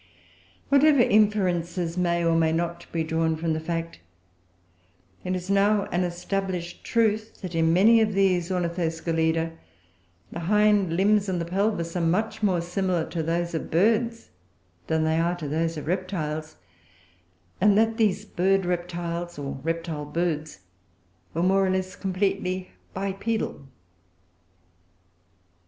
Whatever inferences may, or may not, be drawn from the fact, it is now an established truth that, in many of these Ornithoscelida, the hind limbs and the pelvis are much more similar to those of Birds than they are to those of Reptiles, and that these Bird reptiles, or Reptile birds, were more or less completely bipedal.